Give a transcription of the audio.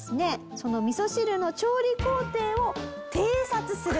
その味噌汁の調理工程を偵察すると。